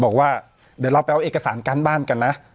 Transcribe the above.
บอกว่าเดี๋ยวเราไปเอาเอกสารการบ้านกันนะ